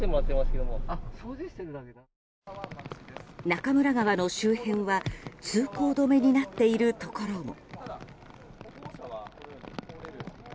中村川の周辺は通行止めになっているところも。